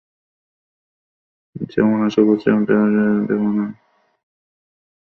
যেমন আশা করছিলাম তোমার দেহ তো তেমন না।